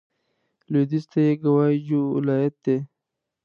لوېدیځ ته یې ګوای جو ولايت دی.